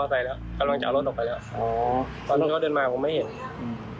แต่ตอนที่เขาเดินมาก็ไม่เห็น